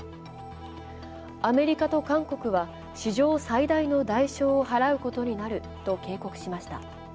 アメリカと韓国は史上最大の代償を払うことになると警告しました。